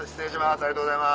ありがとうございます。